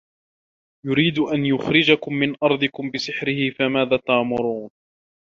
يُريدُ أَن يُخرِجَكُم مِن أَرضِكُم بِسِحرِهِ فَماذا تَأمُرونَ